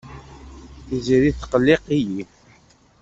Tiziri tettqelliq-iyi.